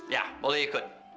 ya boleh ikut